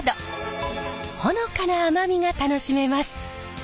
ほのかな甘みが楽しめます。